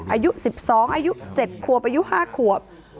อายุ๑๒อายุ๗ขวบอายุ๕ขวบ